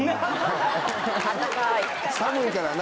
寒いからな。